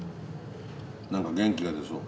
なんか元気が出そう。